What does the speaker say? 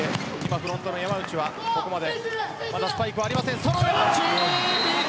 ブロッカーの山内はここまでスパイクはありません。